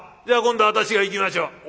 では今度は私がいきましょう。